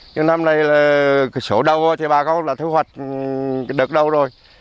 nhưng năm nay là cái sổ đầu thì bà có là thu hoạch đợt đầu rồi